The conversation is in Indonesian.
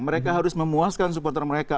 mereka harus memuaskan supporter mereka